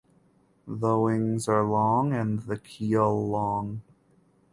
The wings are long and the keel long.